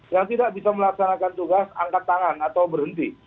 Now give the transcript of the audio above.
yang tidak bisa melaksanakan tugas angkat tangan atau berhenti